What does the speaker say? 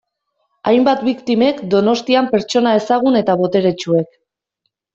Hainbat biktimek Donostian pertsona ezagun eta boteretsuek.